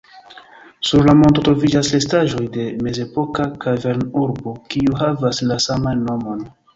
Sur la monto troviĝas restaĵoj de mezepoka kavern-urbo, kiu havas la saman nomon.